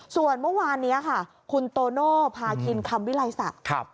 ส่วนเมื่อวานนี้ค่ะคุณโตโน่พาคินคำวิลัยศักดิ์